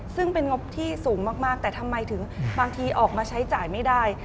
ซึ่งเป็นงบที่สูงมากแต่ทำไมถึงบางทีออกมาใช้จ่ายไม่ได้